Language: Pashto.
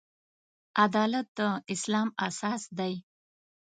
عدالت د اسلام اساس دی.